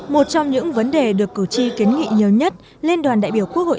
một trong những vấn đề được cử tri kiến nghị nhiều nhất liên đoàn đại biểu quốc hội